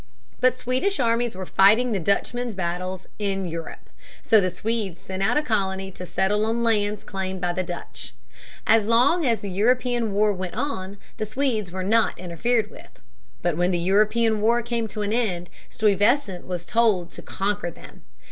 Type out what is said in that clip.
But Swedish armies were fighting the Dutchmen's battles in Europe. So the Swedes sent out a colony to settle on lands claimed by the Dutch. As long as the European war went on, the Swedes were not interfered with. But when the European war came to an end, Stuyvesant was told to conquer them.